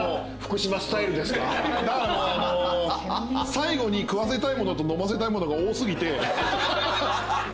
最後に食わせたいものと飲ませたいものが多過ぎて。